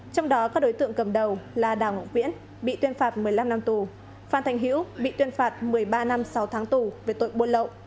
trong đó các đối tượng cầm đầu là đào ngọc viễn bị tuyên phạt một mươi năm năm tù phan thành hữu bị tuyên phạt một mươi ba năm sáu tháng tù về tội buôn lậu